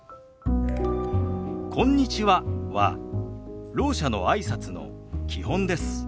「こんにちは」はろう者のあいさつの基本です。